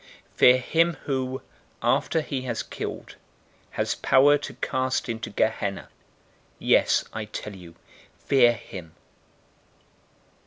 Fear him, who after he has killed, has power to cast into Gehenna.{or, Hell} Yes, I tell you, fear him.